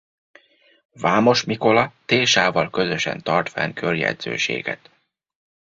Vámosmikola Tésával közösen tart fenn körjegyzőséget.